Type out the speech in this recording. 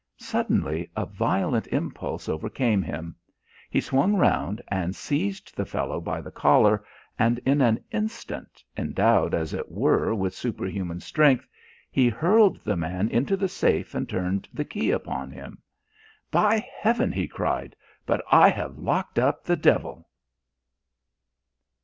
Suddenly a violent impulse overcame him. He swung round and seized the fellow by the collar, and in an instant, endowed as it were with superhuman strength, he hurled the man into the safe and turned the key upon him. "By heaven!" he cried, "but I have locked up the devil."